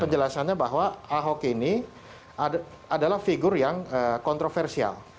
penjelasannya bahwa ahok ini adalah figur yang kontroversial